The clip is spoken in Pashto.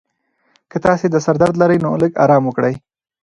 که تاسي د سر درد لرئ، نو لږ ارام وکړئ.